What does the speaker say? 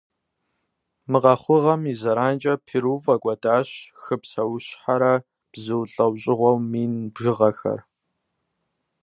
Мы къэхъугъэм и зэранкӀэ, Перу фӀэкӀуэдащ хы псэущхьэрэ бзу лӀэужьыгъуэу мин бжыгъэхэр.